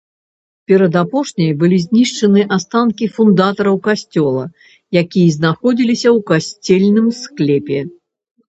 Перад апошняй былі знішчаны астанкі фундатараў касцёла, якія знаходзіліся ў касцельным склепе.